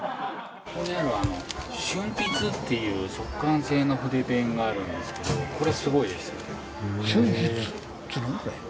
ここにあるのは瞬筆っていう速乾性の筆ペンがあるんですけどこれすごいです。